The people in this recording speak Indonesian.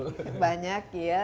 terima kasih banyak ya